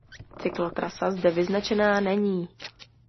Cyklotrasa zde vyznačená není.